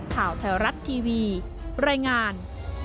ข่าวแถวรัฐทีวีรายงาน